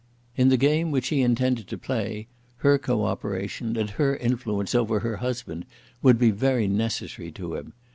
In the game which he intended to play her co operation and her influence over her husband would be very necessary to him.